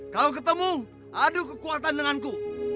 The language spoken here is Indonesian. kalau ketemu adu kekuatan denganku